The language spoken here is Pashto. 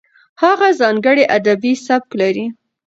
هغه ځانګړی ادبي سبک لري.